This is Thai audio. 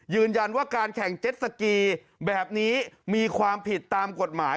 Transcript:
ยืนยันว่าการแข่งเจ็ดสกีแบบนี้มีความผิดตามกฎหมาย